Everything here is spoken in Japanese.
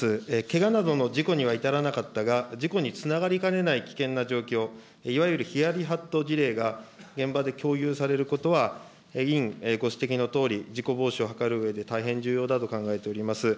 けがなどの事故には至らなかったが、事故につながりかねない危険な状況、いわゆるヒヤリハット事例が現場で共有されることは、委員ご指摘のとおり、事故防止を図るうえで大変重要だと考えております。